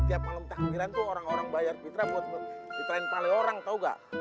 tiap malam takbiran tuh orang orang bayar fitrah buat dititrahin kepale orang tau ga